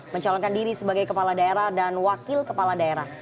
mencalonkan diri sebagai kepala daerah dan wakil kepala daerah